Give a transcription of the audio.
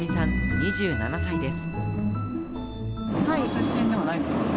２７歳です